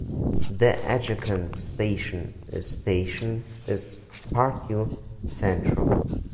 The adjacent station is station is Parque Central.